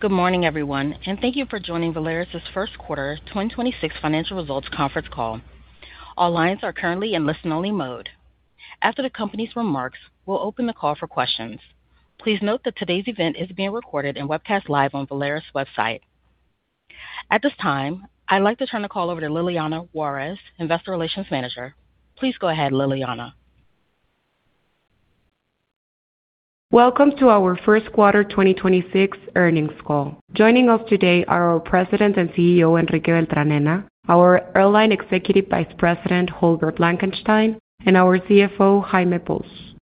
Good morning, everyone, and thank you for joining Volaris' First Quarter 2026 Financial Results Conference Call. All lines are currently in listen-only mode. After the company's remarks, we'll open the call for questions. Please note that today's event is being recorded and webcast live on Volaris website. At this time, I'd like to turn the call over to Liliana Juárez, Investor Relations Manager. Please go ahead, Liliana. Welcome to our First Quarter 2026 Earnings Call. Joining us today are our President and CEO, Enrique Beltranena, our Airline Executive Vice President, Holger Blankenstein, and our CFO, Jaime Pous.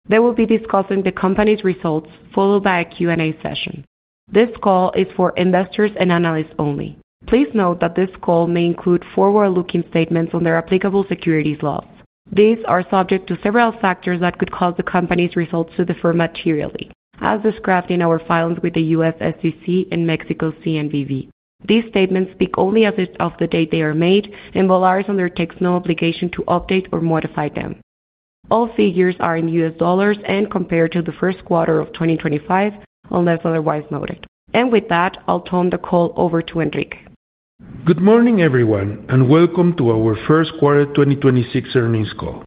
They will be discussing the company's results, followed by a Q&A session. This call is for investors and analysts only. Please note that this call may include forward-looking statements under applicable securities laws. These are subject to several factors that could cause the company's results to differ materially, as described in our filings with the U.S. SEC and Mexico CNBV. These statements speak only as of the date they are made. Volaris undertakes no obligation to update or modify them. All figures are in U.S. dollars and compared to the first quarter of 2025, unless otherwise noted. With that, I'll turn the call over to Enrique. Good morning, everyone, and welcome to our First Quarter 2026 Earnings Call.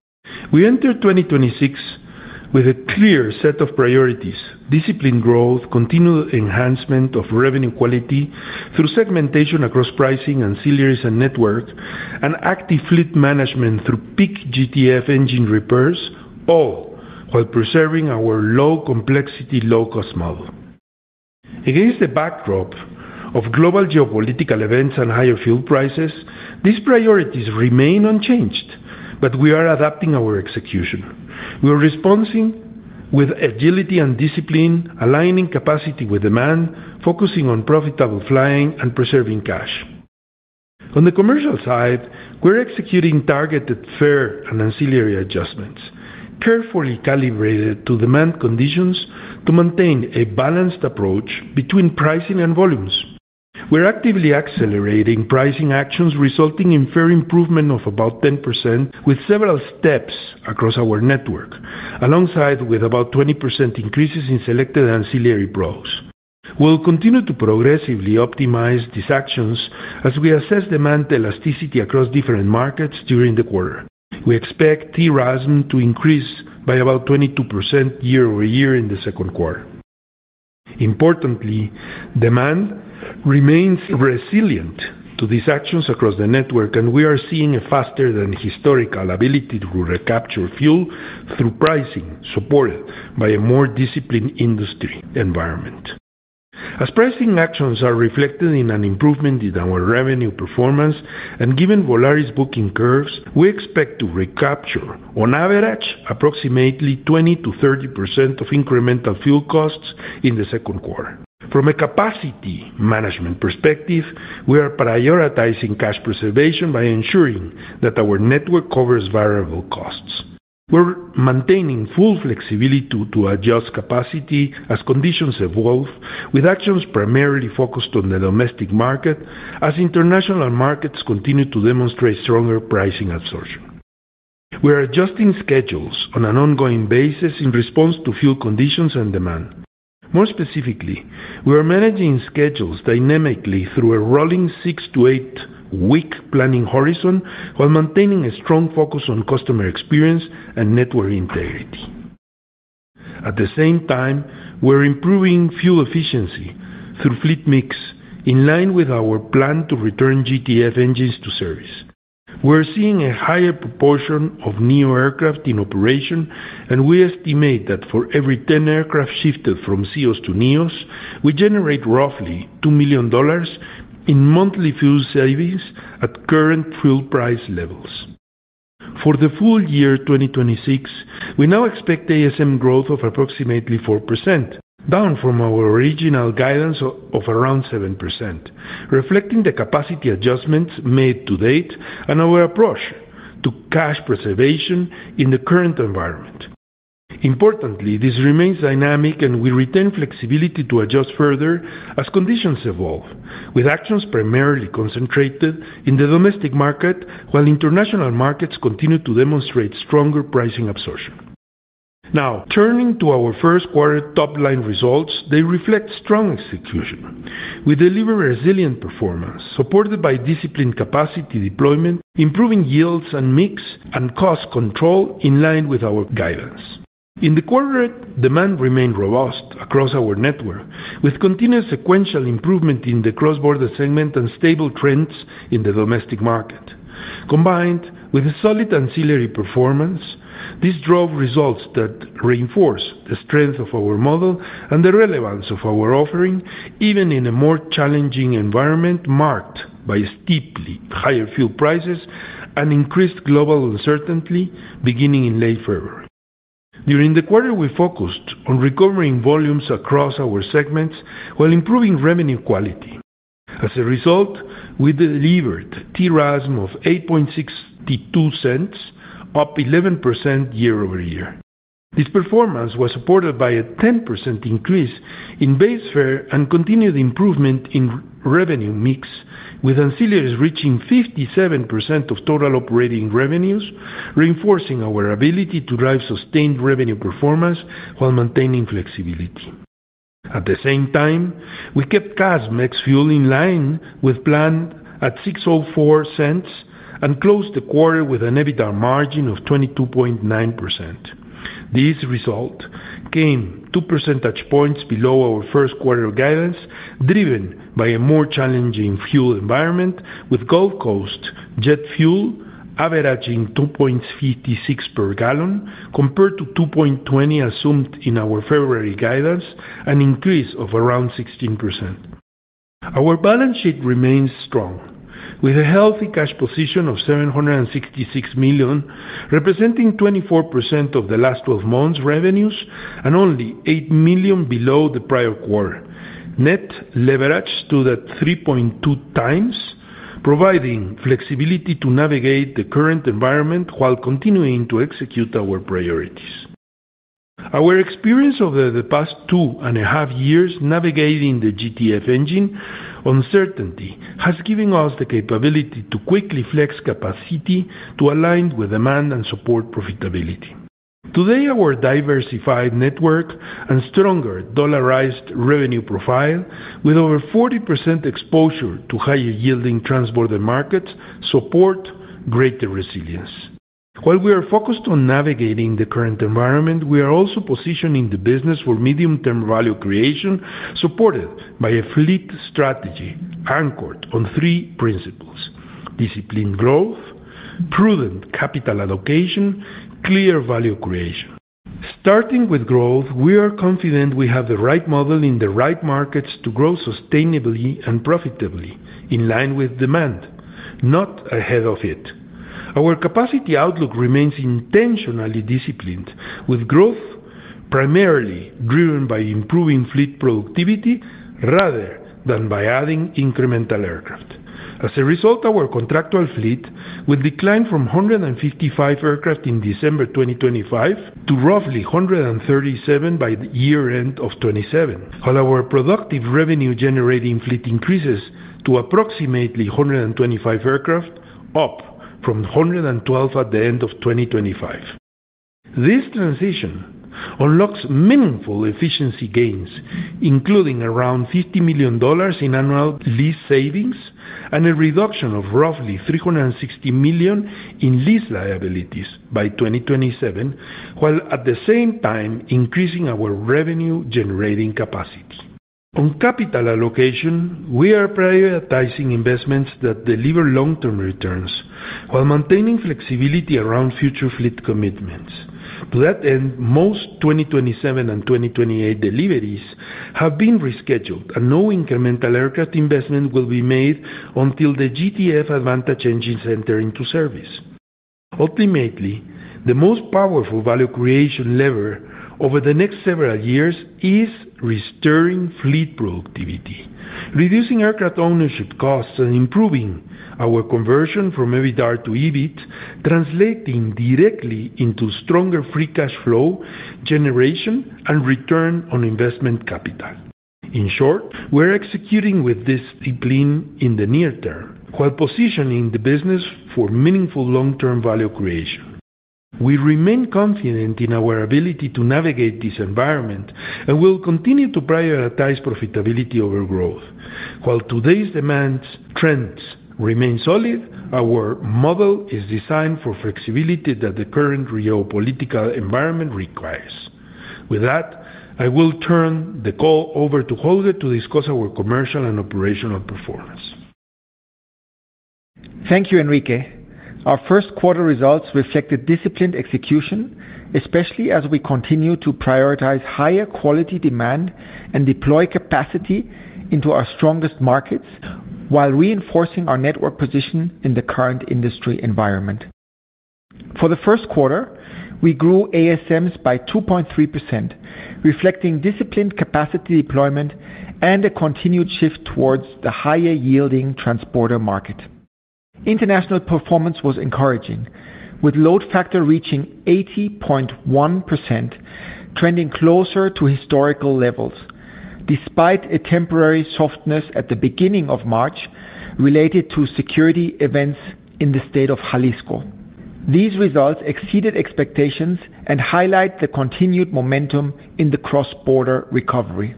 We enter 2026 with a clear set of priorities: disciplined growth, continued enhancement of revenue quality through segmentation across pricing, ancillaries, and network, and active fleet management through peak GTF engine repairs, all while preserving our low complexity, low-cost model. Against the backdrop of global geopolitical events and higher fuel prices, these priorities remain unchanged, we are adapting our execution. We are responding with agility and discipline, aligning capacity with demand, focusing on profitable flying, and preserving cash. On the commercial side, we're executing targeted fare and ancillary adjustments, carefully calibrated to demand conditions to maintain a balanced approach between pricing and volumes. We're actively accelerating pricing actions, resulting in fare improvement of about 10% with several steps across our network, alongside with about 20% increases in selected ancillary products. We'll continue to progressively optimize these actions as we assess demand elasticity across different markets during the quarter. We expect TRASM to increase by about 22% year-over-year in the second quarter. Importantly, demand remains resilient to these actions across the network, and we are seeing a faster than historical ability to recapture fuel through pricing, supported by a more disciplined industry environment. As pricing actions are reflected in an improvement in our revenue performance and given Volaris booking curves, we expect to recapture, on average, approximately 20%-30% of incremental fuel costs in the second quarter. From a capacity management perspective, we are prioritizing cash preservation by ensuring that our network covers variable costs. We're maintaining full flexibility to adjust capacity as conditions evolve, with actions primarily focused on the domestic market as international markets continue to demonstrate stronger pricing absorption. We are adjusting schedules on an ongoing basis in response to fuel conditions and demand. More specifically, we are managing schedules dynamically through a rolling six to eight-week planning horizon while maintaining a strong focus on customer experience and network integrity. At the same time, we're improving fuel efficiency through fleet mix, in line with our plan to return GTF engines to service. We're seeing a higher proportion of neo aircraft in operation, and we estimate that for every 10 aircraft shifted from ceo to NEOs, we generate roughly $2 million in monthly fuel savings at current fuel price levels. For the full year 2026, we now expect ASM growth of approximately 4%, down from our original guidance of around 7%, reflecting the capacity adjustments made to date and our approach to cash preservation in the current environment. Importantly, this remains dynamic, and we retain flexibility to adjust further as conditions evolve, with actions primarily concentrated in the domestic market while international markets continue to demonstrate stronger pricing absorption. Now, turning to our first quarter top-line results, they reflect strong execution. We deliver a resilient performance supported by disciplined capacity deployment, improving yields and mix, and cost control in line with our guidance. In the quarter, demand remained robust across our network, with continued sequential improvement in the cross-border segment and stable trends in the domestic market. Combined with a solid ancillary performance, this drove results that reinforce the strength of our model and the relevance of our offering, even in a more challenging environment marked by steeply higher fuel prices and increased global uncertainty beginning in late February. During the quarter, we focused on recovering volumes across our segments while improving revenue quality. As a result, we delivered TRASM of $0.0862, up 11% year-over-year. This performance was supported by a 10% increase in base fare and continued improvement in revenue mix. With ancillaries reaching 57% of total operating revenues, reinforcing our ability to drive sustained revenue performance while maintaining flexibility. At the same time, we kept CASM ex-fuel in line with plan at $0.0604 and closed the quarter with an EBITDA margin of 22.9%. This result came two percentage points below our first quarter guidance, driven by a more challenging fuel environment with Gulf Coast jet fuel averaging $2.56 per gallon compared to $2.20 assumed in our February guidance, an increase of around 16%. Our balance sheet remains strong with a healthy cash position of $766 million, representing 24% of the last 12 months revenues and only $8 million below the prior quarter. Net leverage stood at 3.2 times, providing flexibility to navigate the current environment while continuing to execute our priorities. Our experience over the past two and a half years navigating the GTF engine uncertainty has given us the capability to quickly flex capacity to align with demand and support profitability. Today, our diversified network and stronger dollarized revenue profile with over 40% exposure to higher-yielding transborder markets support greater resilience. While we are focused on navigating the current environment, we are also positioning the business for medium-term value creation, supported by a fleet strategy anchored on three principles: disciplined growth, prudent capital allocation, clear value creation. Starting with growth, we are confident we have the right model in the right markets to grow sustainably and profitably in line with demand, not ahead of it. Our capacity outlook remains intentionally disciplined with growth primarily driven by improving fleet productivity rather than by adding incremental aircraft. As a result, our contractual fleet will decline from 155 aircraft in December 2025 to roughly 137 by year-end of 2027. While our productive revenue-generating fleet increases to approximately 125 aircraft, up from 112 at the end of 2025. This transition unlocks meaningful efficiency gains, including around $50 million in annual lease savings and a reduction of roughly $360 million in lease liabilities by 2027, while at the same time increasing our revenue-generating capacity. On capital allocation, we are prioritizing investments that deliver long-term returns while maintaining flexibility around future fleet commitments. To that end, most 2027 and 2028 deliveries have been rescheduled and no incremental aircraft investment will be made until the GTF Advantage engines enter into service. Ultimately, the most powerful value creation lever over the next several years is restoring fleet productivity, reducing aircraft ownership costs, and improving our conversion from EBITDA to EBIT, translating directly into stronger free cash flow generation and return on investment capital. In short, we're executing with discipline in the near term while positioning the business for meaningful long-term value creation. We remain confident in our ability to navigate this environment, and we'll continue to prioritize profitability over growth. While today's demand trends remain solid, our model is designed for flexibility that the current geopolitical environment requires. With that, I will turn the call over to Holger to discuss our commercial and operational performance. Thank you, Enrique. Our first quarter results reflected disciplined execution, especially as we continue to prioritize higher quality demand and deploy capacity into our strongest markets while reinforcing our network position in the current industry environment. For the first quarter, we grew ASMs by 2.3%, reflecting disciplined capacity deployment and a continued shift towards the higher-yielding transporter market. International performance was encouraging, with load factor reaching 80.1%, trending closer to historical levels despite a temporary softness at the beginning of March related to security events in the state of Jalisco. These results exceeded expectations and highlight the continued momentum in the cross-border recovery.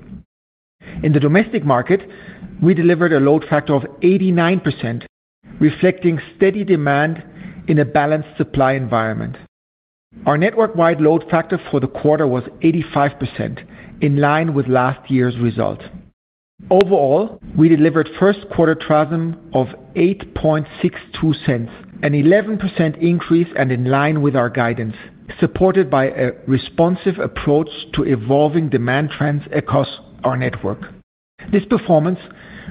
In the domestic market, we delivered a load factor of 89%, reflecting steady demand in a balanced supply environment. Our network-wide load factor for the quarter was 85%, in line with last year's result. Overall, we delivered first quarter TRASM of $0.0862, an 11% increase and in line with our guidance, supported by a responsive approach to evolving demand trends across our network. This performance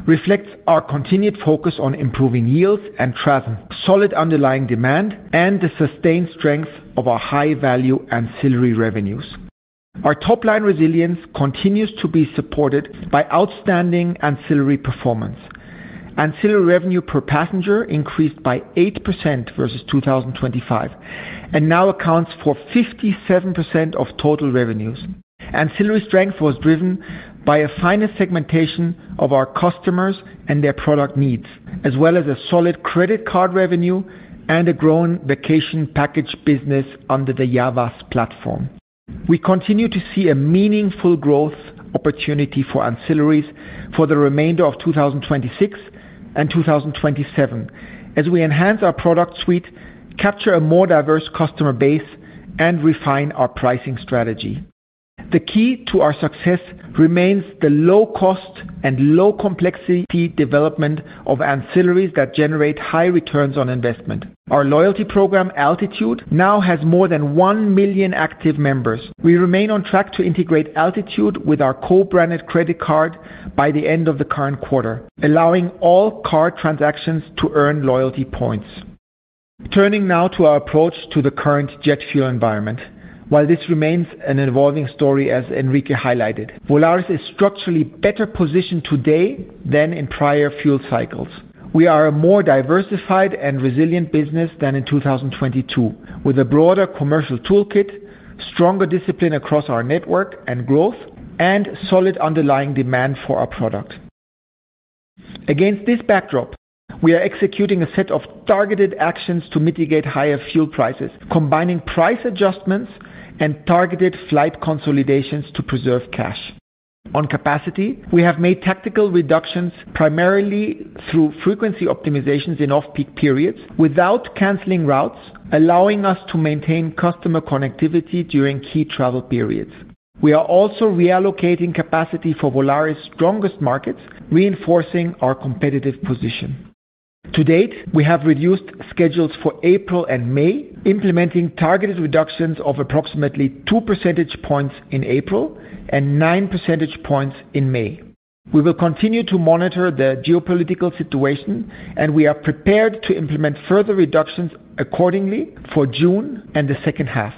reflects our continued focus on improving yields and TRASM, solid underlying demand, and the sustained strength of our high-value ancillary revenues. Our top-line resilience continues to be supported by outstanding ancillary performance. Ancillary revenue per passenger increased by 8% versus 2025, and now accounts for 57% of total revenues. Ancillary strength was driven by a finer segmentation of our customers and their product needs, as well as a solid credit card revenue and a growing vacation package business under the Ya Vas platform. We continue to see a meaningful growth opportunity for ancillaries for the remainder of 2026 and 2027 as we enhance our product suite, capture a more diverse customer base, and refine our pricing strategy. The key to our success remains the low cost and low complexity development of ancillaries that generate high returns on investment. Our loyalty program, Altitude, now has more than one million active members. We remain on track to integrate Altitude with our co-branded credit card by the end of the current quarter, allowing all card transactions to earn loyalty points. Turning now to our approach to the current jet fuel environment. While this remains an evolving story, as Enrique highlighted, Volaris is structurally better positioned today than in prior fuel cycles. We are a more diversified and resilient business than in 2022, with a broader commercial toolkit, stronger discipline across our network and growth, solid underlying demand for our product. Against this backdrop, we are executing a set of targeted actions to mitigate higher fuel prices, combining price adjustments and targeted flight consolidations to preserve cash. On capacity, we have made tactical reductions primarily through frequency optimizations in off-peak periods without canceling routes, allowing us to maintain customer connectivity during key travel periods. We are also reallocating capacity for Volaris' strongest markets, reinforcing our competitive position. To date, we have reduced schedules for April and May, implementing targeted reductions of approximately two percentage points in April and nine percentage points in May. We will continue to monitor the geopolitical situation, we are prepared to implement further reductions accordingly for June and the second half.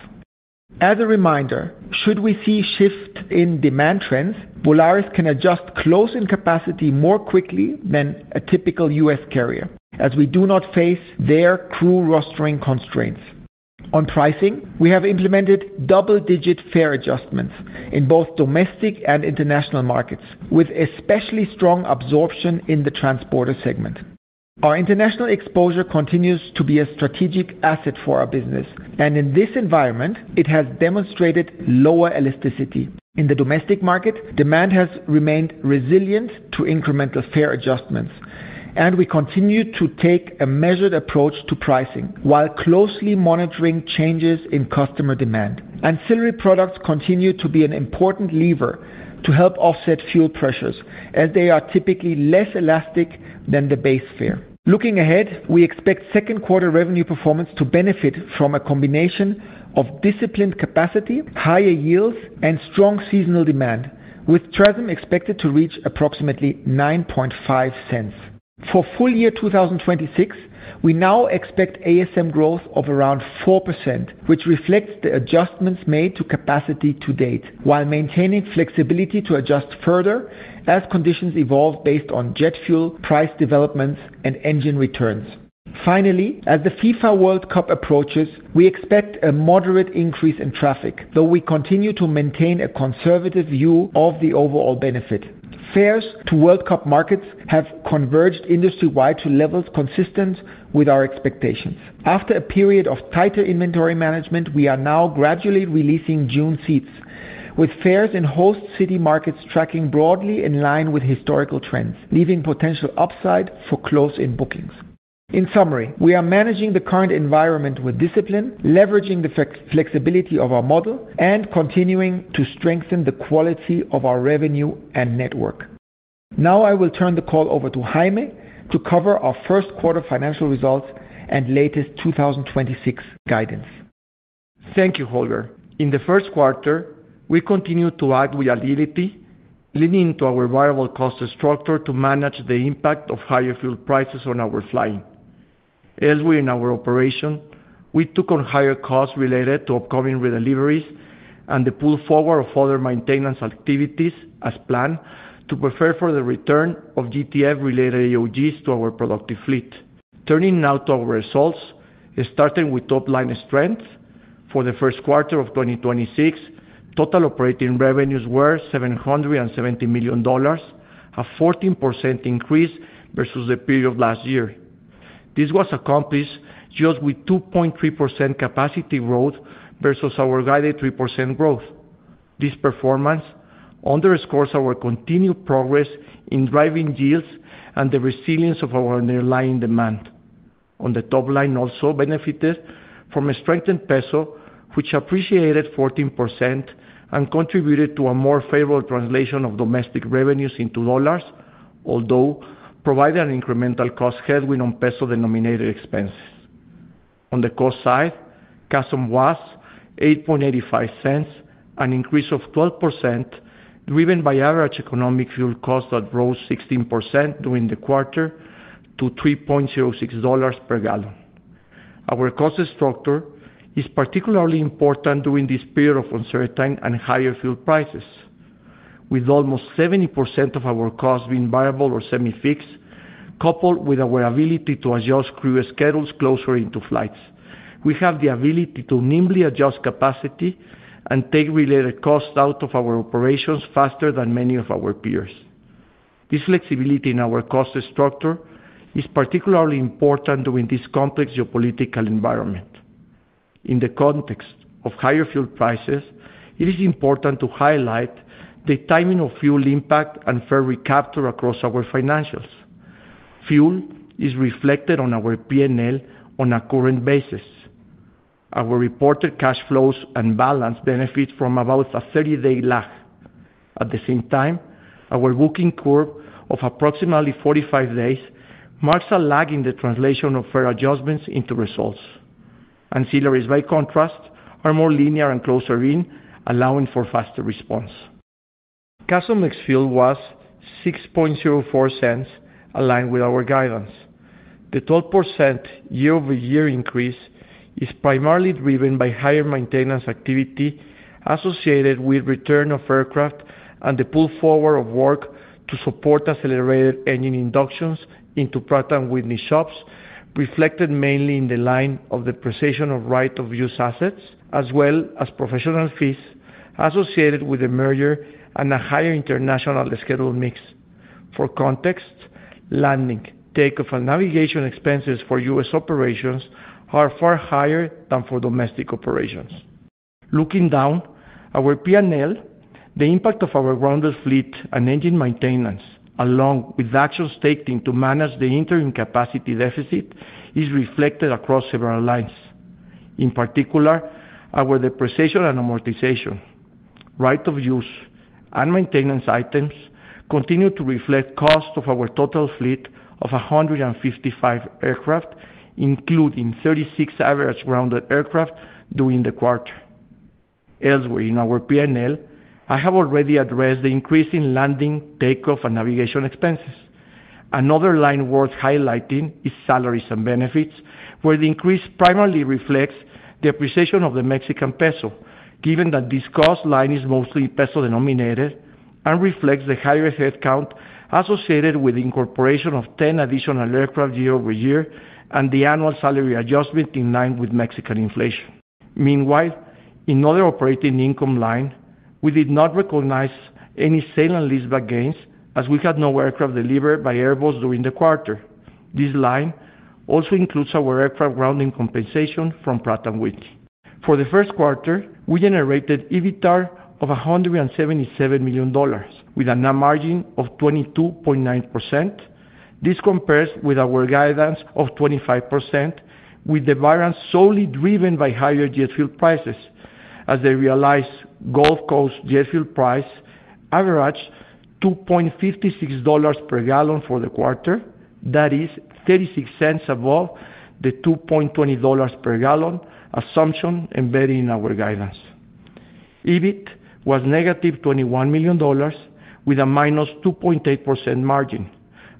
As a reminder, should we see shifts in demand trends, Volaris can adjust closing capacity more quickly than a typical U.S. carrier, as we do not face their crew rostering constraints. On pricing, we have implemented double-digit fare adjustments in both domestic and international markets, with especially strong absorption in the transporter segment. Our international exposure continues to be a strategic asset for our business, and in this environment, it has demonstrated lower elasticity. In the domestic market, demand has remained resilient to incremental fare adjustments, and we continue to take a measured approach to pricing while closely monitoring changes in customer demand. Ancillary products continue to be an important lever to help offset fuel pressures, as they are typically less elastic than the base fare. Looking ahead, we expect second quarter revenue performance to benefit from a combination of disciplined capacity, higher yields, and strong seasonal demand, with TRASM expected to reach approximately 0.095. For full year 2026, we now expect ASM growth of around 4%, which reflects the adjustments made to capacity to date while maintaining flexibility to adjust further as conditions evolve based on jet fuel, price developments, and engine returns. Finally, as the FIFA World Cup approaches, we expect a moderate increase in traffic, though we continue to maintain a conservative view of the overall benefit. Fares to World Cup markets have converged industry-wide to levels consistent with our expectations. After a period of tighter inventory management, we are now gradually releasing June seats, with fares in host city markets tracking broadly in line with historical trends, leaving potential upside for close-in bookings. In summary, we are managing the current environment with discipline, leveraging the flexibility of our model, and continuing to strengthen the quality of our revenue and network. I will turn the call over to Jaime to cover our first quarter financial results and latest 2026 guidance. Thank you, Holger. In the first quarter, we continued to act with agility, leaning into our variable cost structure to manage the impact of higher fuel prices on our flying. Elsewhere in our operation, we took on higher costs related to upcoming redeliveries and the pull forward of other maintenance activities as planned to prepare for the return of GTF-related AOGs to our productive fleet. Turning now to our results, starting with top-line strength. For the first quarter of 2026, total operating revenues were $770 million, a 14% increase versus the period of last year. This was accomplished just with 2.3% capacity growth versus our guided 3% growth. This performance underscores our continued progress in driving yields and the resilience of our underlying demand. On the top line also benefited from a strengthened peso, which appreciated 14% and contributed to a more favorable translation of domestic revenues into U.S. dollars, although provided an incremental cost headwind on peso-denominated expenses. On the cost side, CASM was $0.0885, an increase of 12%, driven by average economic fuel costs that rose 16% during the quarter to $3.06 per gallon. Our cost structure is particularly important during this period of uncertainty and higher fuel prices. With almost 70% of our costs being variable or semi-fixed, coupled with our ability to adjust crew schedules closer into flights, we have the ability to nimbly adjust capacity and take related costs out of our operations faster than many of our peers. This flexibility in our cost structure is particularly important during this complex geopolitical environment. In the context of higher fuel prices, it is important to highlight the timing of fuel impact and fare recapture across our financials. Fuel is reflected on our P&L on a current basis. Our reported cash flows and balance benefit from about a 30-day lag. At the same time, our booking curve of approximately 45 days marks a lag in the translation of fare adjustments into results. Ancillaries, by contrast, are more linear and closer in, allowing for faster response. Cost of fuel was 0.0604, aligned with our guidance. The 12% year-over-year increase is primarily driven by higher maintenance activity associated with return of aircraft and the pull forward of work to support accelerated engine inductions into Pratt & Whitney shops, reflected mainly in the line of the depreciation of right of use assets as well as professional fees associated with the merger and a higher international scheduled mix. For context, landing, takeoff, and navigation expenses for U.S. operations are far higher than for domestic operations. Looking down our P&L, the impact of our grounded fleet and engine maintenance, along with actions taken to manage the interim capacity deficit, is reflected across several lines. In particular, our depreciation and amortization, right of use, and maintenance items continue to reflect cost of our total fleet of 155 aircraft, including 36 average grounded aircraft during the quarter. Elsewhere in our P&L, I have already addressed the increase in landing, takeoff, and navigation expenses. Another line worth highlighting is salaries and benefits, where the increase primarily reflects depreciation of the Mexican peso, given that this cost line is mostly peso-denominated and reflects the higher head count associated with the incorporation of 10 additional aircraft year-over-year and the annual salary adjustment in line with Mexican inflation. Meanwhile, in other operating income line, we did not recognize any sale and leaseback gains as we had no aircraft delivered by Airbus during the quarter. This line also includes our aircraft grounding compensation from Pratt & Whitney. For the first quarter, we generated EBITDAR of $177 million with a net margin of 22.9%. This compares with our guidance of 25%, with the variance solely driven by higher jet fuel prices as the realized Gulf Coast jet fuel price averaged $2.56 per gallon for the quarter. That is $0.36 above the $2.20 per gallon assumption embedded in our guidance. EBIT was -$21 million, with a -2.8% margin.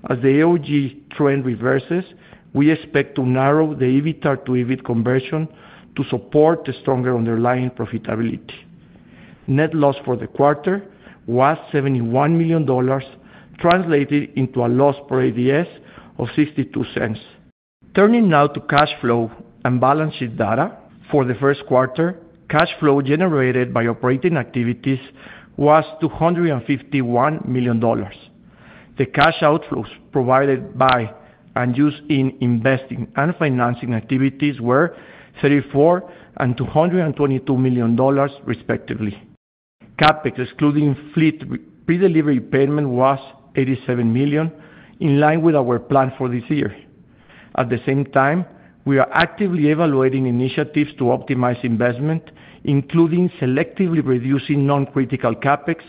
As the AOG trend reverses, we expect to narrow the EBITDAR-to-EBIT conversion to support the stronger underlying profitability. Net loss for the quarter was $71 million, translated into a loss per ADS of $0.62. Turning now to cash flow and balance sheet data. For the first quarter, cash flow generated by operating activities was $251 million. The cash outflows provided by and used in investing and financing activities were $34 million and $222 million, respectively. CapEx, excluding fleet predelivery payment, was $87 million, in line with our plan for this year. At the same time, we are actively evaluating initiatives to optimize investment, including selectively reducing non-critical CapEx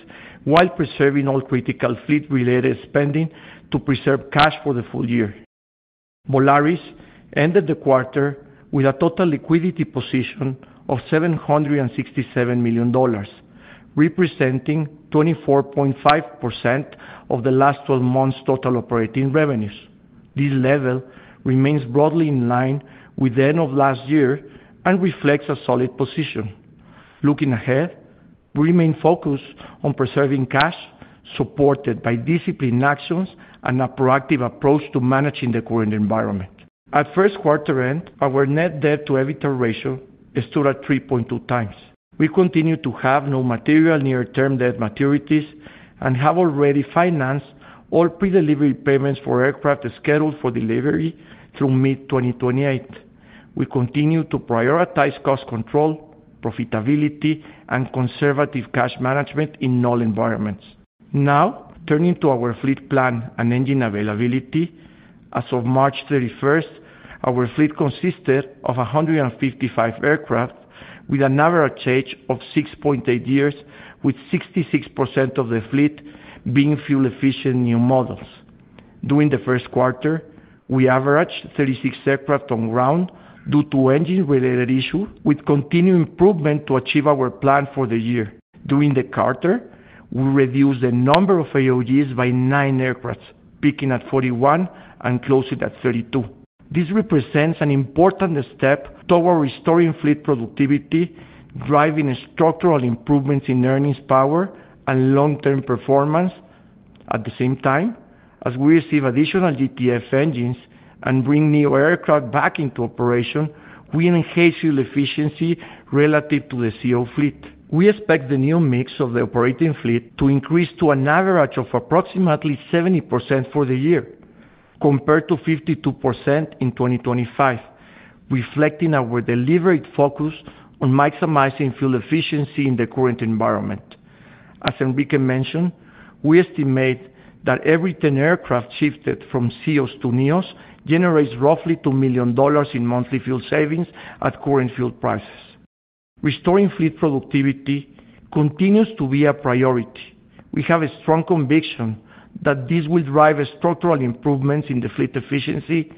while preserving all critical fleet-related spending to preserve cash for the full year. Volaris ended the quarter with a total liquidity position of $767 million, representing 24.5% of the last twelve months' total operating revenues. This level remains broadly in line with the end of last year and reflects a solid position. Looking ahead, we remain focused on preserving cash, supported by disciplined actions and a proactive approach to managing the current environment. At first quarter end, our net debt-to-EBITDA ratio stood at 3.2 times. We continue to have no material near-term debt maturities and have already financed all predelivery payments for aircraft scheduled for delivery through mid 2028. We continue to prioritize cost control, profitability, and conservative cash management in all environments. Turning to our fleet plan and engine availability. As of March 31st, our fleet consisted of 155 aircraft, with an average age of six point eight years, with 66% of the fleet being fuel-efficient new models. During the first quarter, we averaged 36 aircraft on ground due to engine-related issue, with continued improvement to achieve our plan for the year. During the quarter, we reduced the number of AOGs by nine aircrafts, peaking at 41 and closing at 32. This represents an important step toward restoring fleet productivity, driving structural improvements in earnings power and long-term performance. At the same time, as we receive additional GTF engines and bring new aircraft back into operation, we enhance fuel efficiency relative to the ceo fleet. We expect the new mix of the operating fleet to increase to an average of approximately 70% for the year, compared to 52% in 2025, reflecting our deliberate focus on maximizing fuel efficiency in the current environment. As Enrique mentioned, we estimate that every 10 aircraft shifted from ceos to neos generates roughly $2 million in monthly fuel savings at current fuel prices. Restoring fleet productivity continues to be a priority. We have a strong conviction that this will drive structural improvements in the fleet efficiency,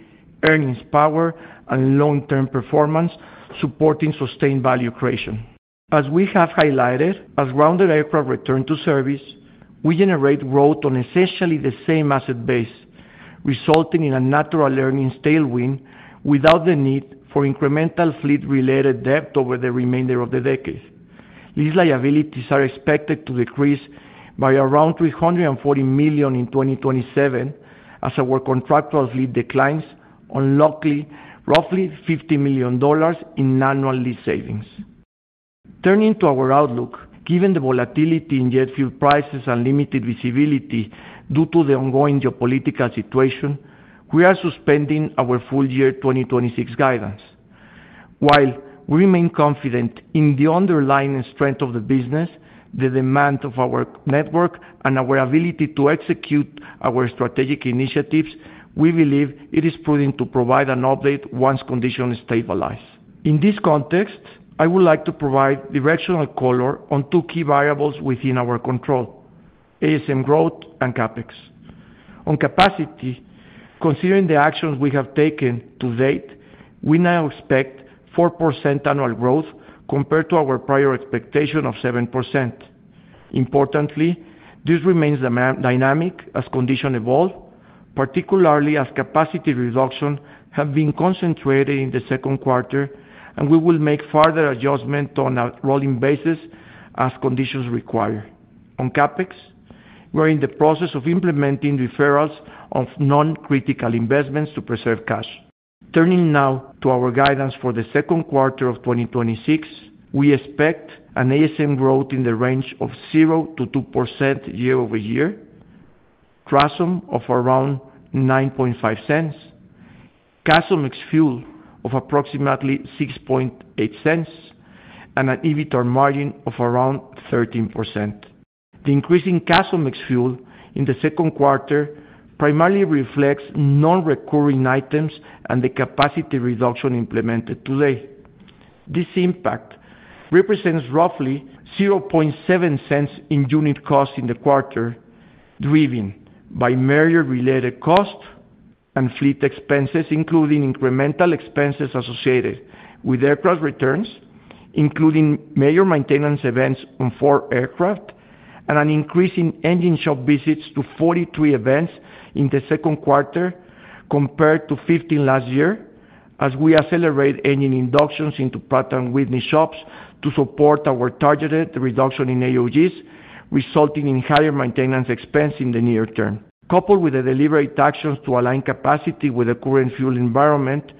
earnings power, and long-term performance, supporting sustained value creation. As we have highlighted, as grounded aircraft return to service, we generate growth on essentially the same asset base, resulting in a natural earnings tailwind without the need for incremental fleet-related debt over the remainder of the decade. These liabilities are expected to decrease by around $340 million in 2027 as our contractual fleet declines, unlocking roughly $50 million in annual lease savings. Turning to our outlook, given the volatility in jet fuel prices and limited visibility due to the ongoing geopolitical situation, we are suspending our full year 2026 guidance. While we remain confident in the underlying strength of the business, the demand of our network, and our ability to execute our strategic initiatives, we believe it is prudent to provide an update once conditions stabilize. In this context, I would like to provide directional color on two key variables within our control: ASM growth and CapEx. On capacity, considering the actions we have taken to date, we now expect 4% annual growth compared to our prior expectation of 7%. Importantly, this remains dynamic as condition evolve, particularly as capacity reduction have been concentrated in the second quarter, and we will make further adjustment on a rolling basis as conditions require. On CapEx, we're in the process of implementing deferrals of non-critical investments to preserve cash. Turning now to our guidance for the second quarter of 2026, we expect an ASM growth in the range of 0%-2% year-over-year, TRASM of around $0.095, CASM ex-fuel of approximately $0.068, and an EBITDA margin of around 13%. The increase in CASM ex-fuel in the second quarter primarily reflects non-recurring items and the capacity reduction implemented today. This impact represents roughly $0.007 in unit cost in the quarter, driven by major related costs and fleet expenses, including incremental expenses associated with aircraft returns, including major maintenance events on four aircraft and an increase in engine shop visits to 43 events in the second quarter compared to 15 last year, as we accelerate engine inductions into Pratt & Whitney shops to support our targeted reduction in AOGs, resulting in higher maintenance expense in the near term. Coupled with the deliberate actions to align capacity with the current fuel environment,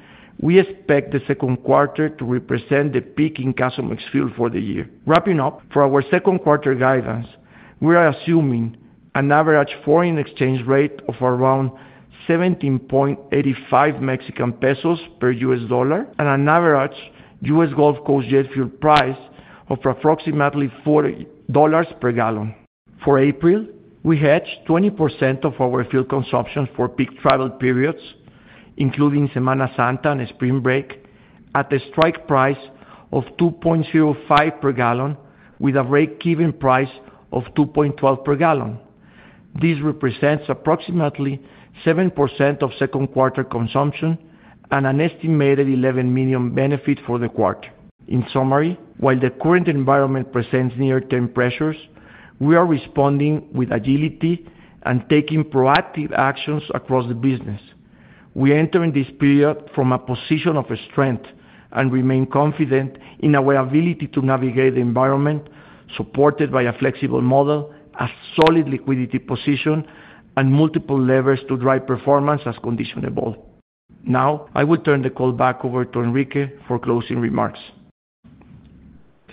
we expect the second quarter to represent the peak in CASM ex-fuel for the year. Wrapping up, for our second quarter guidance, we are assuming an average foreign exchange rate of around 17.85 Mexican pesos per USD and an average U.S. Gulf Coast jet fuel price of approximately $4 per gallon. For April, we hedged 20% of our fuel consumption for peak travel periods, including Semana Santa and spring break, at a strike price of $2.05 per gallon with a break-even price of $2.12 per gallon. This represents approximately 7% of second quarter consumption and an estimated $11 million benefit for the quarter. In summary, while the current environment presents near-term pressures, we are responding with agility and taking proactive actions across the business. We enter in this period from a position of strength and remain confident in our ability to navigate the environment supported by a flexible model, a solid liquidity position, and multiple levers to drive performance as conditions evolve. Now, I will turn the call back over to Enrique for closing remarks.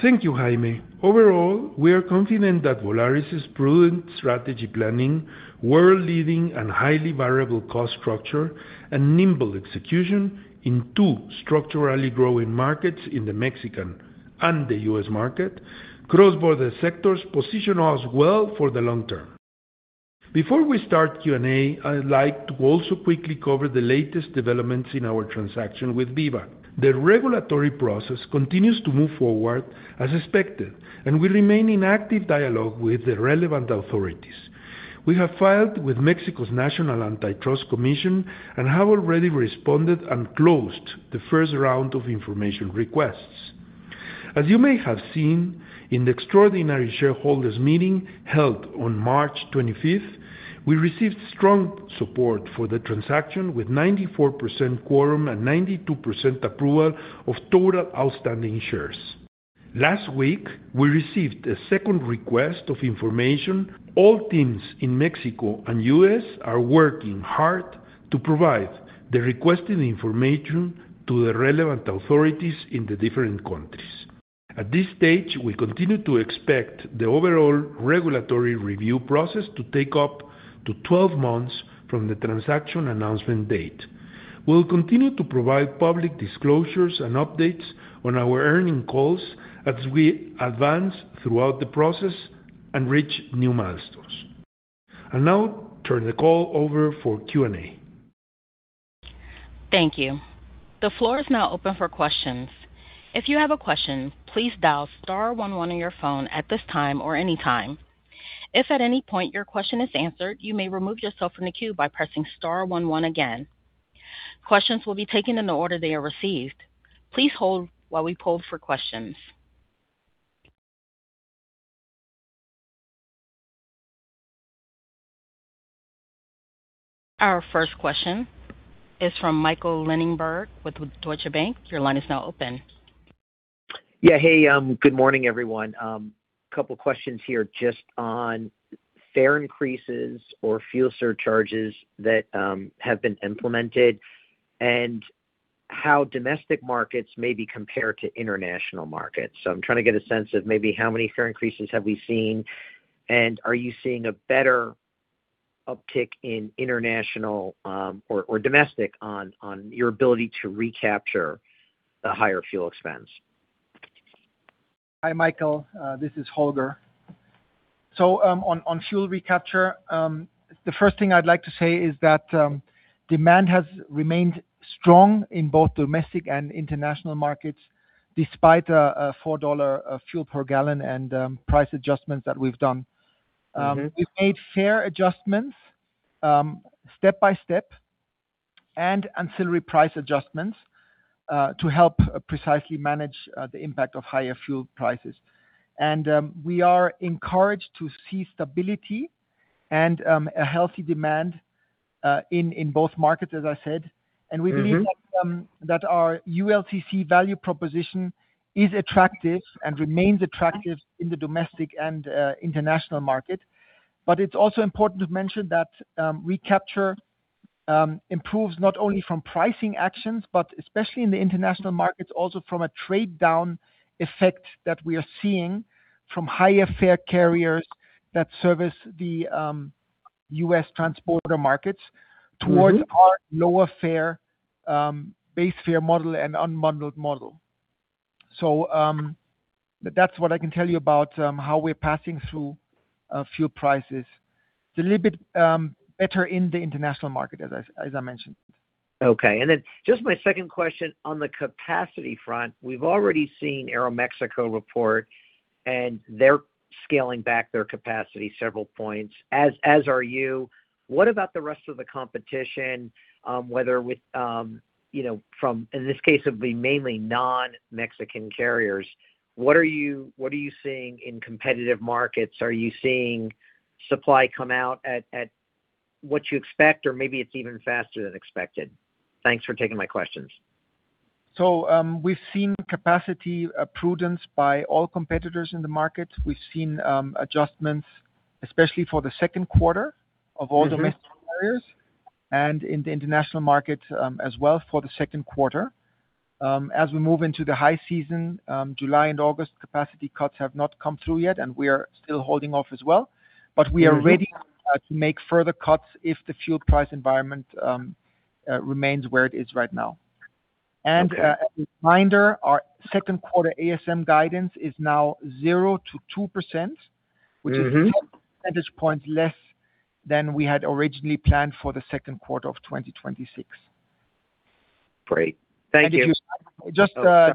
Thank you, Jaime. Overall, we are confident that Volaris's prudent strategy planning, world-leading and highly variable cost structure, and nimble execution in two structurally growing markets in the Mexican and the U.S. market, cross-border sectors position us well for the long-term. Before we start Q&A, I'd like to also quickly cover the latest developments in our transaction with Viva. The regulatory process continues to move forward as expected, and we remain in active dialogue with the relevant authorities. We have filed with Mexico's National Antitrust Commission and have already responded and closed the first round of information requests. As you may have seen in the extraordinary shareholders meeting held on March 25th, we received strong support for the transaction, with 94% quorum and 92% approval of total outstanding shares. Last week, we received a second request of information. All teams in Mexico and U.S. are working hard to provide the requested information to the relevant authorities in the different countries. At this stage, we continue to expect the overall regulatory review process to take up to 12 months from the transaction announcement date. We'll continue to provide public disclosures and updates on our earning calls as we advance throughout the process and reach new milestones. I'll now turn the call over for Q&A. Thank you. The floor is now open for questions. If you have a question please dial star one one on your phone at this time or any time. If at any point your question is answered you may remove just open the que by pressing star one one again. Questions will be taken in the order they are recived. Please hold while we pull for questions. Our first question is from Michael Linenberg with Deutsche Bank. Your line is now open. Yeah. Hey, good morning, everyone. A couple questions here just on fare increases or fuel surcharges that have been implemented and how domestic markets may be compared to international markets. I'm trying to get a sense of maybe how many fare increases have we seen, and are you seeing a better uptick in international, or domestic on your ability to recapture the higher fuel expense? Hi, Michael. This is Holger. On fuel recapture, the first thing I'd like to say is that demand has remained strong in both domestic and international markets despite a $4 fuel per gallon and price adjustments that we've done. Mm-hmm. We've made fare adjustments, step-by-step and ancillary price adjustments to help precisely manage the impact of higher fuel prices. We are encouraged to see stability and a healthy demand in both markets, as I said. Mm-hmm. We believe that our ULCC value proposition is attractive and remains attractive in the domestic and international market. It's also important to mention that, recapture improves not only from pricing actions, but especially in the international markets, also from a trade down effect that we are seeing from higher fare carriers that service the U.S. transporter markets. Mm-hmm towards our lower fare, base fare model and unbundled model. That's what I can tell you about, how we're passing through, fuel prices. It's a little bit, better in the international market as I mentioned. Okay. Then just my second question on the capacity front. We've already seen Aeroméxico report, they're scaling back their capacity several points, as are you. What about the rest of the competition, whether with, you know, In this case, it would be mainly non-Mexican carriers. What are you seeing in competitive markets? Are you seeing supply come out at what you expect, or maybe it's even faster than expected? Thanks for taking my questions. We've seen capacity prudence by all competitors in the market. We've seen adjustments, especially for the second quarter. Mm-hmm... the rest of the carriers and in the international market, as well for the second quarter. As we move into the high season, July and August capacity cuts have not come through yet, and we are still holding off as well. Mm-hmm. We are ready to make further cuts if the fuel price environment remains where it is right now. Okay. As a reminder, our second quarter ASM guidance is now 0%-2%. Mm-hmm... which is still, at this point, less than we had originally planned for the 2nd quarter of 2026. Great. Thank you. if you- Oh, sorry. Just to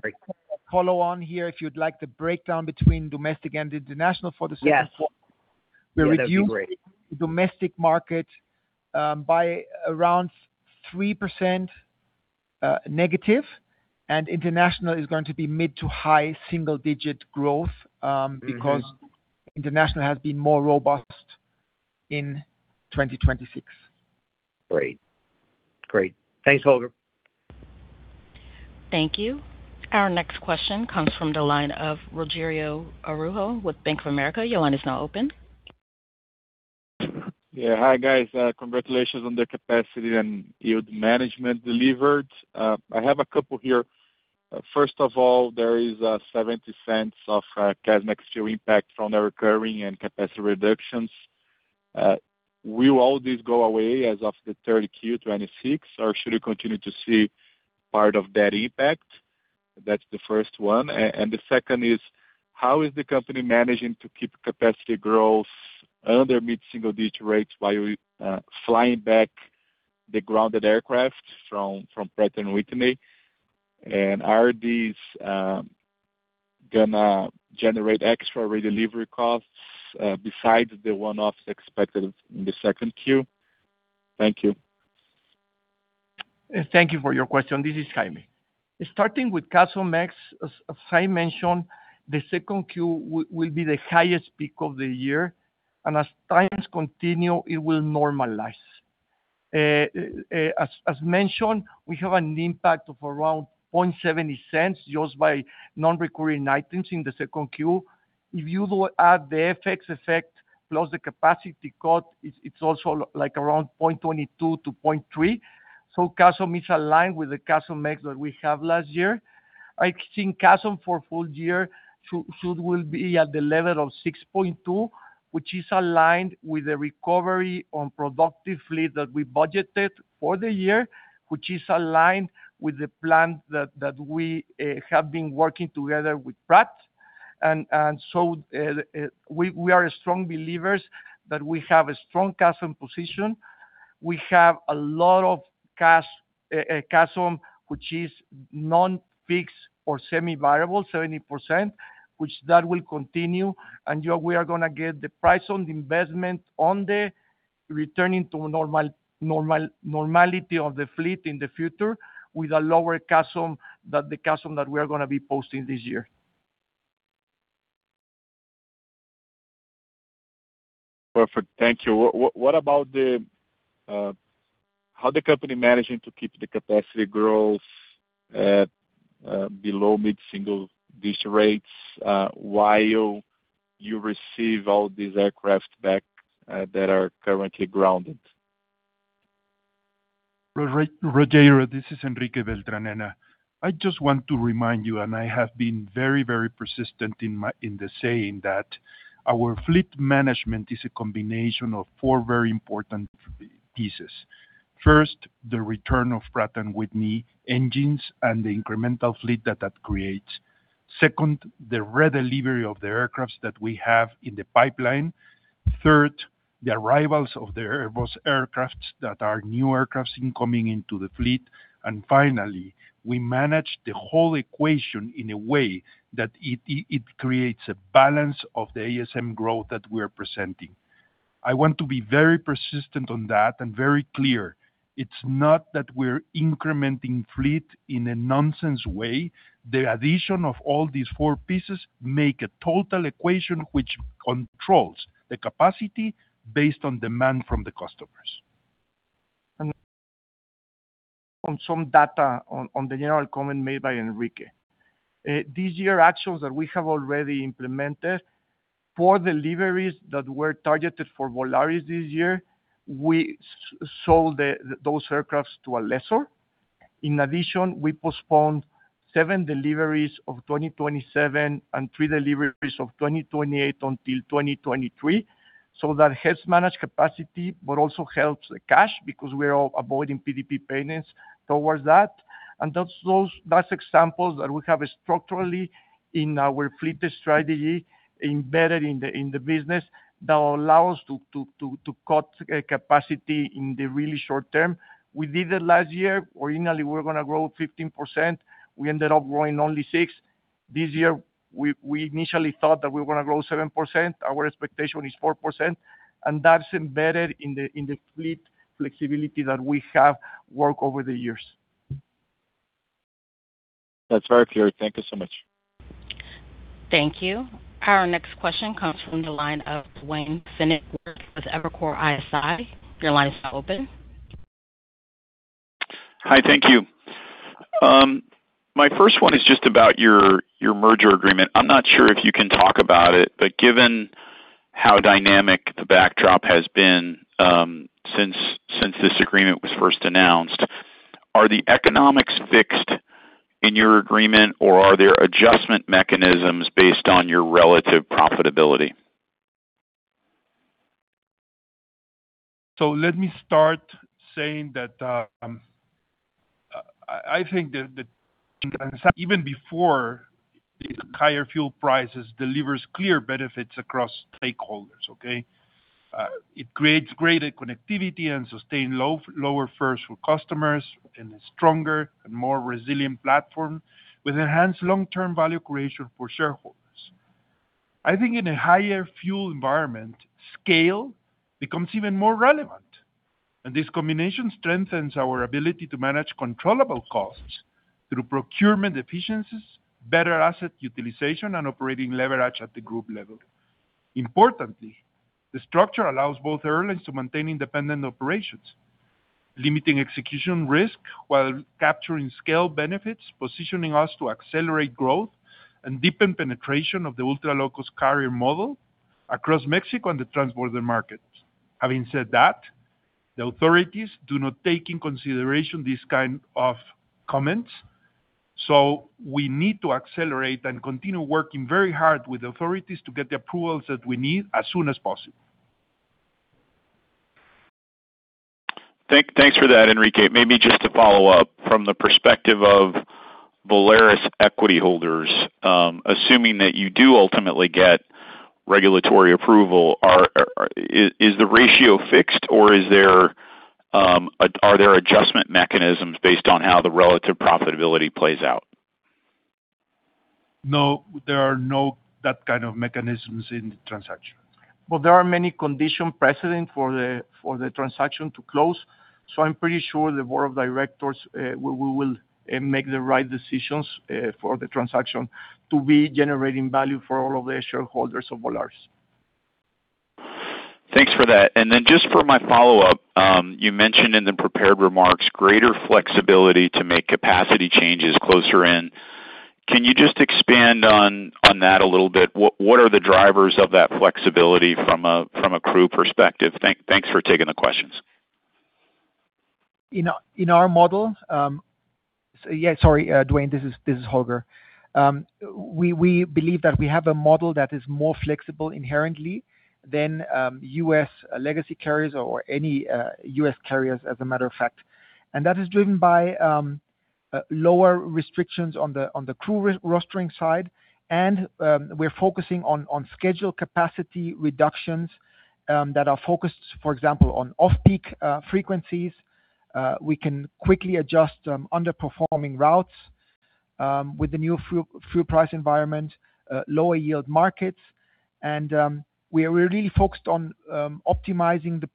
follow on here, if you'd like the breakdown between domestic and international for the second quarter. Yes. Yeah, that'd be great. We review domestic market, by around 3% negative, and international is going to be mid to high single-digit growth. Mm-hmm... because international has been more robust in 2026. Great. Great. Thanks, Holger. Thank you. Our next question comes from the line of Rogerio Araujo with Bank of America. Your line is now open. Yeah. Hi, guys. Congratulations on the capacity and yield management delivered. I have a couple here. First of all, there is a $0.70 of CASM ex-fuel impact from the recurring and capacity reductions. Will all this go away as of the third Q 2026, or should we continue to see part of that impact? That's the first one. The second is: How is the company managing to keep capacity growth under mid-single-digit rates while flying back the grounded aircraft from Pratt & Whitney? Are these gonna generate extra redelivery costs besides the one-offs expected in the second Q? Thank you. Thank you for your question. This is Jaime. Starting with CASMex, as I mentioned, the second Q will be the highest peak of the year, and as times continue, it will normalize. As mentioned, we have an impact of around $0.70 used by non-recurring items in the second Q. If you add the FX effect plus the capacity cut, it's also like around $0.22-$0.30. CASM is aligned with the CASMex that we have last year. I think CASM for full year should will be at the level of $6.20, which is aligned with the recovery on productively that we budgeted for the year, which is aligned with the plan that we have been working together with Pratt. We are strong believers that we have a strong CASM position. We have a lot of CASM, which is non-fixed or semi-variable, 70%, which that will continue. You know we are going to get the price on the investment on the returning to normal normality of the fleet in the future with a lower CASM that the CASM that we are going to be posting this year. Perfect. Thank you. How the company managing to keep the capacity growth below mid-single-digit rates while you receive all these aircraft back that are currently grounded? Rogerio, this is Enrique Beltranena. I just want to remind you, I have been very, very persistent in the saying that our fleet management is a combination of four very important pieces. First, the return of Pratt & Whitney engines and the incremental fleet that creates. Second, the re-delivery of the aircraft that we have in the pipeline. Third, the arrivals of the Airbus aircraft that are new aircraft incoming into the fleet. Finally, we manage the whole equation in a way that it creates a balance of the ASM growth that we are presenting. I want to be very persistent on that and very clear. It's not that we're incrementing fleet in a nonsense way. The addition of all these four pieces make a total equation which controls the capacity based on demand from the customers. On some data on the general comment made by Enrique. This year, actions that we have already implemented, four deliveries that were targeted for Volaris this year, we sold those aircraft to a lessor. In addition, we postponed seven deliveries of 2027 and three deliveries of 2028 until 2023. That helps manage capacity, but also helps the cash because we are avoiding PDP payments towards that. That's examples that we have structurally in our fleet strategy embedded in the business that allow us to cut capacity in the really short-term. We did it last year. Originally, we were going to grow 15%. We ended up growing only 6%. This year, we initially thought that we were going to grow 7%. Our expectation is 4%, that's embedded in the fleet flexibility that we have worked over the years. That's very clear. Thank you so much. Thank you. Our next question comes from the line of Duane Pfennigwerth with Evercore ISI. Your line is now open. Hi, thank you. My first one is just about your merger agreement. I'm not sure if you can talk about it, but given how dynamic the backdrop has been, since this agreement was first announced, are the economics fixed in your agreement, or are there adjustment mechanisms based on your relative profitability? Let me start saying that I think the even before the higher fuel prices delivers clear benefits across stakeholders. It creates greater connectivity and sustained lower fares for customers and a stronger and more resilient platform with enhanced long-term value creation for shareholders. I think in a higher fuel environment, scale becomes even more relevant, and this combination strengthens our ability to manage controllable costs through procurement efficiencies, better asset utilization, and operating leverage at the group level. Importantly, the structure allows both airlines to maintain independent operations, limiting execution risk while capturing scale benefits, positioning us to accelerate growth and deepen penetration of the ultra-low-cost carrier model across Mexico and the transborder markets. Having said that, the authorities do not take in consideration these kind of comments. We need to accelerate and continue working very hard with authorities to get the approvals that we need as soon as possible. Thanks for that, Enrique. Maybe just to follow up, from the perspective of Volaris equity holders, assuming that you do ultimately get regulatory approval, is the ratio fixed, or are there adjustment mechanisms based on how the relative profitability plays out? No, there are no that kind of mechanisms in the transaction. Well, there are many condition precedent for the, for the transaction to close, so I'm pretty sure the board of directors, we will make the right decisions for the transaction to be generating value for all of the shareholders of Volaris. Thanks for that. Then just for my follow-up, you mentioned in the prepared remarks greater flexibility to make capacity changes closer in. Can you just expand on that a little bit? What are the drivers of that flexibility from a crew perspective? Thanks for taking the questions. In our model, Duane, this is Holger. We believe that we have a model that is more flexible inherently than U.S. legacy carriers or any U.S. carriers, as a matter of fact. That is driven by lower restrictions on the crew rostering side. We're focusing on schedule capacity reductions that are focused, for example, on off-peak frequencies. We can quickly adjust underperforming routes with the new fuel price environment, lower yield markets. We are really focused on optimizing the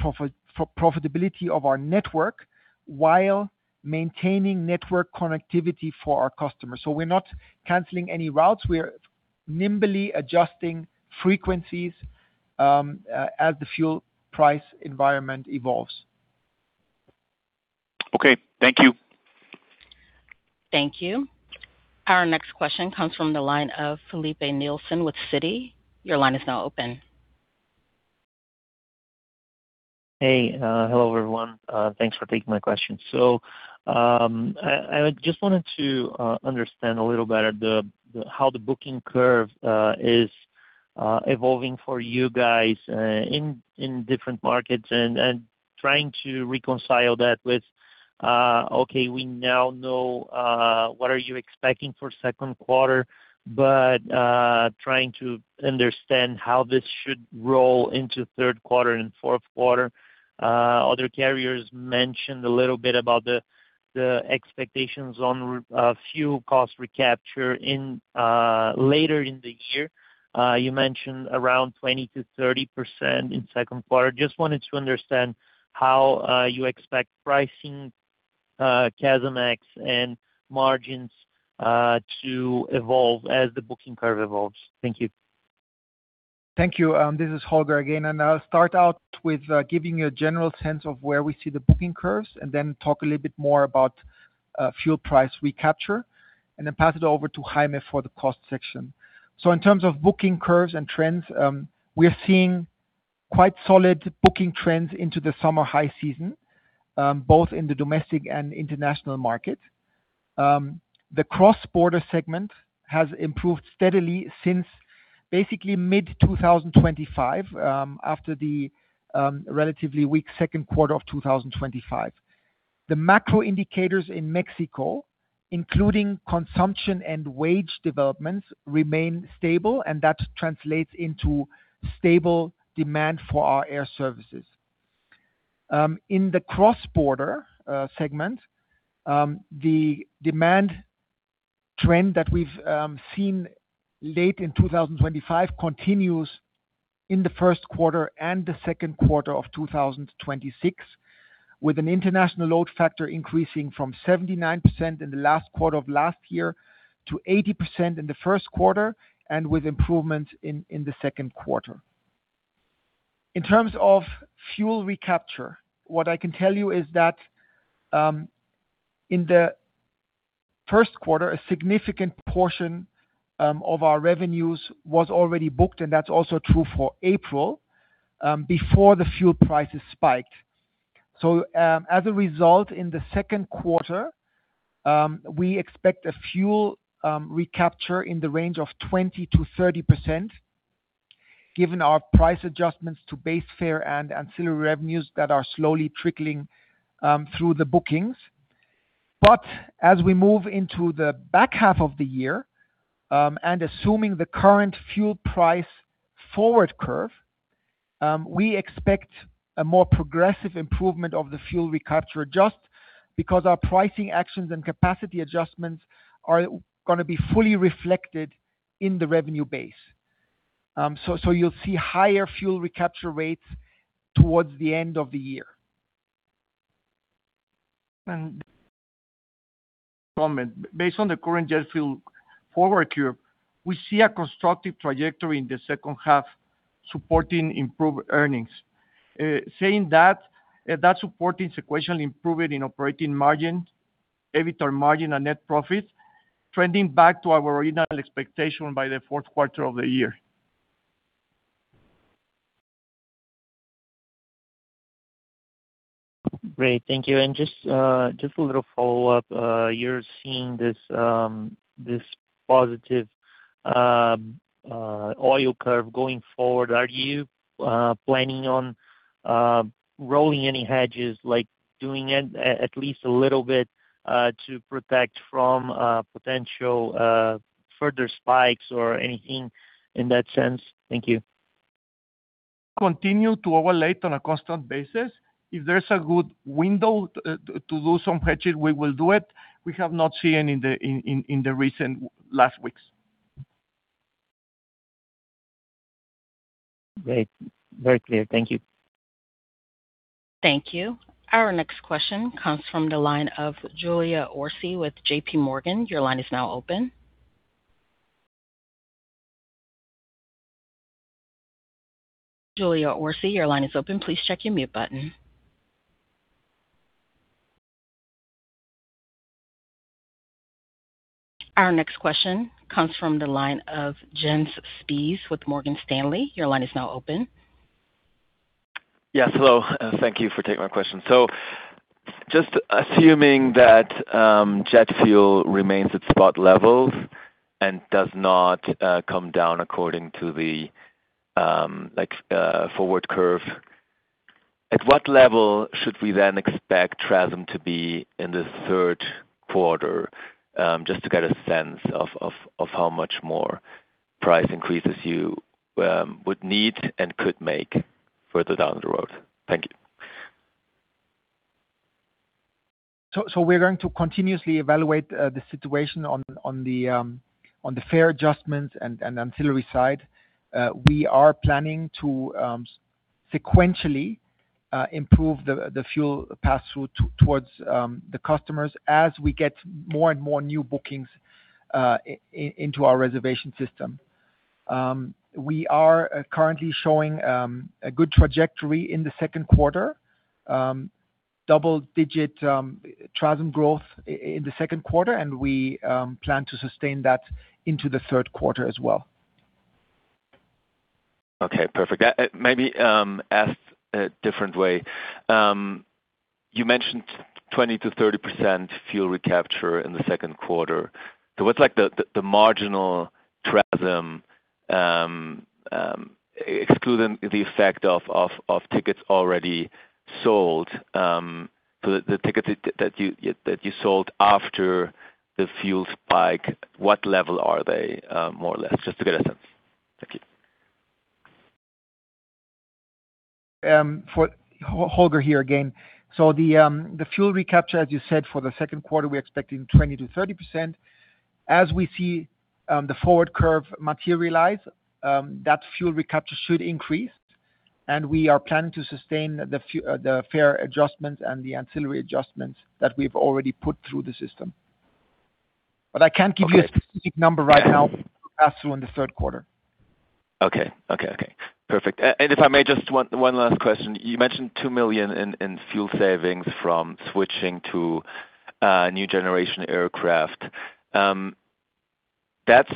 profitability of our network while maintaining network connectivity for our customers. We're not canceling any routes. We're nimbly adjusting frequencies as the fuel price environment evolves. Okay. Thank you. Thank you. Our next question comes from the line of Filipe Nielsen with Citi. Hey, hello, everyone. Thanks for taking my question. I just wanted to understand a little better the how the booking curve is evolving for you guys in different markets and trying to reconcile that with okay, we now know what are you expecting for second quarter, but trying to understand how this should roll into third quarter and fourth quarter. Other carriers mentioned a little bit about the expectations on fuel cost recapture later in the year. You mentioned around 20%-30% in second quarter. Just wanted to understand how you expect pricing, CASM-ex and margins to evolve as the booking curve evolves. Thank you. Thank you. This is Holger again. I'll start out with giving you a general sense of where we see the booking curves and then talk a little bit more about fuel price recapture, and then pass it over to Jaime for the cost section. In terms of booking curves and trends, we're seeing quite solid booking trends into the summer high season, both in the domestic and international market. The cross-border segment has improved steadily since basically mid 2025, after the relatively weak second quarter of 2025. The macro indicators in Mexico, including consumption and wage developments, remain stable, and that translates into stable demand for our air services. In the cross-border segment, the demand trend that we've seen late in 2025 continues in the 1st quarter and the 2nd quarter of 2026, with an international load factor increasing from 79% in the last quarter of last year to 80% in the 1st quarter and with improvement in the 2nd quarter. In terms of fuel recapture, what I can tell you is that in the 1st quarter, a significant portion of our revenues was already booked, and that's also true for April, before the fuel prices spiked. As a result, in the 2nd quarter, we expect a fuel recapture in the range of 20%-30%, given our price adjustments to base fare and ancillary revenues that are slowly trickling through the bookings. As we move into the back half of the year, and assuming the current fuel price forward curve, we expect a more progressive improvement of the fuel recapture, just because our pricing actions and capacity adjustments are gonna be fully reflected in the revenue base. You'll see higher fuel recapture rates towards the end of the year. Comment. Based on the current jet fuel forward curve, we see a constructive trajectory in the second half supporting improved earnings. Saying that, supporting sequentially improving in operating margin, EBITDA margin and net profit trending back to our original expectation by the fourth quarter of the year. Great. Thank you. Just a little follow-up. You're seeing this positive oil curve going forward. Are you planning on rolling any hedges, like doing it at least a little bit to protect from potential further spikes or anything in that sense? Thank you. Continue to overlay it on a constant basis. If there's a good window to do some hedging, we will do it. We have not seen any in the recent last weeks. Great. Very clear. Thank you. Thank you. Our next question comes from the line of Julia Orsi with JPMorgan. Your line is now open. Julia Orsi, your line is open. Please check your mute button. Our next question comes from the line of Jens Spiess with Morgan Stanley. Your line is now open. Yes, hello. Thank you for taking my question. Just assuming that jet fuel remains at spot levels and does not come down according to the forward curve, at what level should we then expect TRASM to be in the third quarter? Just to get a sense of how much more price increases you would need and could make further down the road. Thank you. We're going to continuously evaluate the situation on the fare adjustments and ancillary side. We are planning to sequentially improve the fuel pass-through towards the customers as we get more and more new bookings into our reservation system. We are currently showing a good trajectory in the second quarter, double-digit TRASM growth in the second quarter, and we plan to sustain that into the third quarter as well. Okay, perfect. Maybe asked a different way. You mentioned 20%-30% fuel recapture in the second quarter. What's like the marginal TRASM, excluding the effect of tickets already sold. The tickets that you sold after the fuel spike, what level are they, more or less? Just to get a sense. Thank you. Holger here again. The fuel recapture, as you said, for the second quarter, we're expecting 20%-30%. As we see the forward curve materialize, that fuel recapture should increase. We are planning to sustain the fare adjustments and the ancillary adjustments that we've already put through the system. I can't give you. Okay. -a specific number right now to pass through in the third quarter. Okay. Okay. Okay. Perfect. If I may, just one last question. You mentioned $2 million in fuel savings from switching to new generation aircraft. First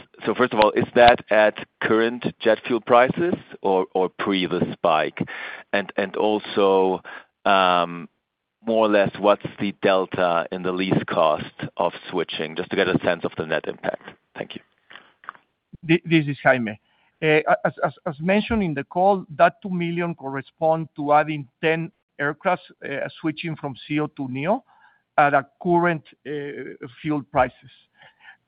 of all, is that at current jet fuel prices or pre the spike? More or less, what's the delta in the lease cost of switching? Just to get a sense of the net impact. Thank you. This is Jaime. As mentioned in the call, that $2 million correspond to adding 10 aircrafts, switching from ceo to A320neo at our current fuel prices.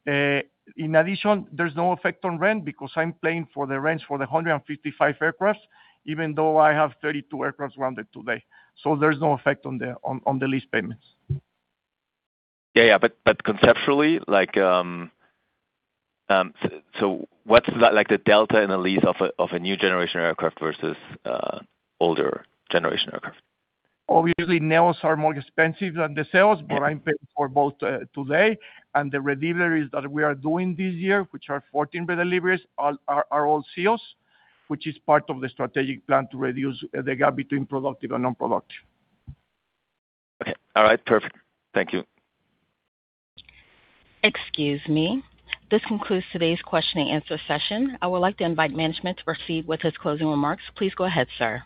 In addition, there's no effect on rent because I'm paying for the rents for the 155 aircrafts, even though I have 32 aircrafts grounded today. There's no effect on the lease payments. Yeah, conceptually, like, so what's like the delta in the lease of a new generation aircraft versus older generation aircraft? Obviously, NEOs are more expensive than the ceos, but I'm paying for both today. The deliveries that we are doing this year, which are 14 deliveries, are all ceos, which is part of the strategic plan to reduce the gap between productive and non-productive. Okay. All right, perfect. Thank you. Excuse me. This concludes today's question and answer session. I would like to invite management to proceed with his closing remarks. Please go ahead, sir.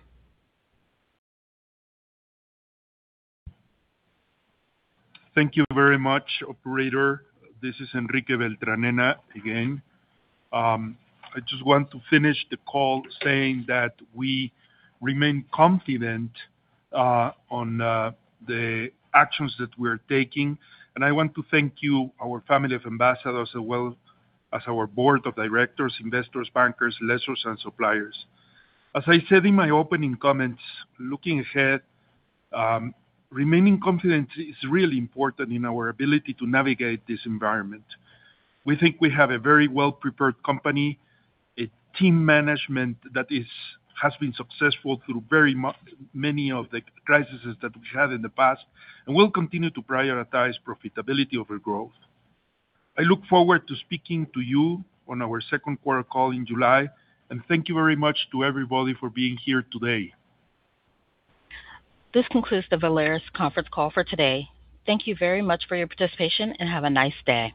Thank you very much, operator. This is Enrique Beltranena again. I just want to finish the call saying that we remain confident on the actions that we're taking, and I want to thank you, our family of ambassadors, as well as our Board of Directors, investors, bankers, lessors, and suppliers. As I said in my opening comments, looking ahead, remaining confident is really important in our ability to navigate this environment. We think we have a very well-prepared company, a team management that has been successful through very many of the crises that we've had in the past, and we'll continue to prioritize profitability over growth. I look forward to speaking to you on our second quarter call in July, and thank you very much to everybody for being here today. This concludes the Volaris conference call for today. Thank you very much for your participation, and have a nice day.